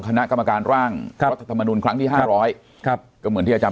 คณะกรรมการร่างรัฐธรรมนุนครั้งที่ห้าร้อยครับก็เหมือนที่อาจาร